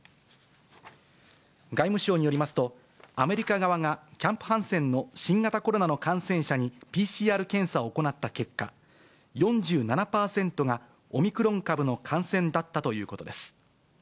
外務省によりますと、アメリカ側がキャンプ・ハンセンの新型コロナの感染者にＰＣＲ検査を行った結果、４７％がオミクロン株の感染だったということです。